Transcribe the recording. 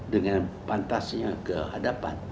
dengan pantasnya ke hadapan